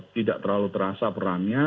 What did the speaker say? tidak terlalu terasa perannya